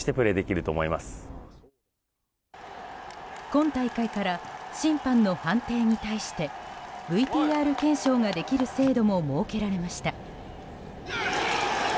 今大会から審判の判定に対してＶＴＲ検証ができる制度も設けられました。